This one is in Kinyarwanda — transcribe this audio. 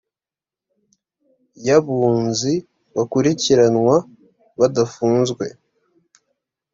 y abunzi bakurikiranwa badafunzwe